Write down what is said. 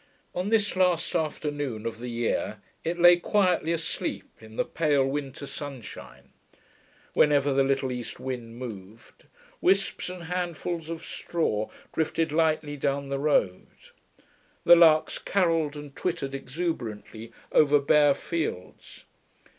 On this last afternoon of the year it lay quietly asleep in the pale winter sunshine. Whenever the little east wind moved, wisps and handfuls of straw drifted lightly down the road. The larks carolled and twittered exuberantly over bare fields.